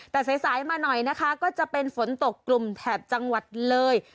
แต่สายมาหน่อยนะคะก็จะเป็นฝนตกกลุ่มแถบจังหวัดเลย